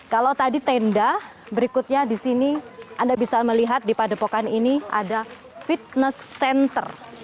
kalau tadi tenda berikutnya di sini anda bisa melihat di padepokan ini ada fitness center